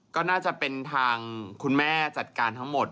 ก็น่าจะเป็นทางคุณแม่จัดการทั้งหมด